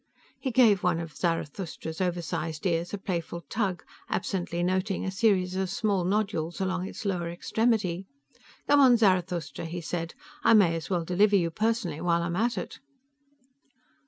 He gave one of Zarathustra's over sized ears a playful tug, absently noting a series of small nodules along its lower extremity. "Come on, Zarathustra," he said. "I may as well deliver you personally while I'm at it."